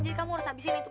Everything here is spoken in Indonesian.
jadi kamu harus habisin itu